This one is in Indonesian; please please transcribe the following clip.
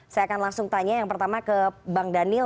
saya akan langsung tanya yang pertama ke bang daniel